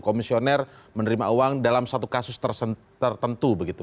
komisioner menerima uang dalam satu kasus tertentu begitu